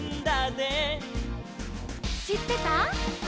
「しってた？」